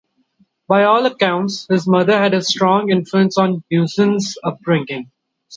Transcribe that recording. By all accounts, his mother had a strong influence on Husein's upbringing.